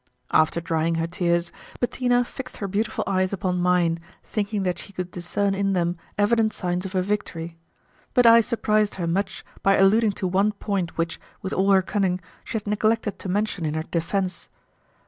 After drying her tears, Bettina fixed her beautiful eyes upon mine, thinking that she could discern in them evident signs of her victory; but I surprised her much by alluding to one point which, with all her cunning, she had neglected to mention in her defence.